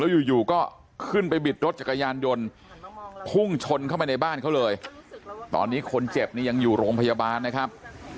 อยู่ก็ขึ้นไปบิดรถจักรยานยนต์พุ่งชนเข้าไปในบ้านเขาเลยตอนนี้คนเจ็บนี่ยังอยู่โรงพยาบาลนะครับ